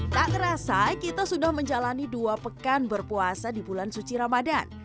tak ngerasa kita sudah menjalani dua pekan berpuasa di bulan suci ramadan